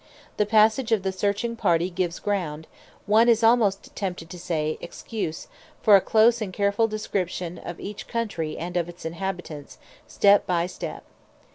The passage of the searching party gives ground, one is almost tempted to say, excuse, for a close and careful description of each country and of its inhabitants, step by step.